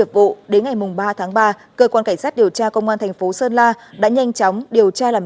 vụ đến ngày ba tháng ba cơ quan cảnh sát điều tra công an thành phố sơn la đã nhanh chóng điều tra làm